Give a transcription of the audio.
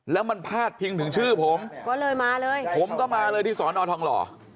แล้วมันพาดพิงถึงชื่อผมก็เลยมาเลยผมก็มาเลยที่สอนอทองหล่อ